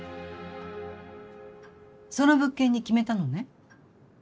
その物件に決めたのね。